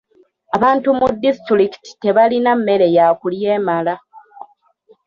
Abantu mu disitulikiti tebalina mmere ya kulya emala.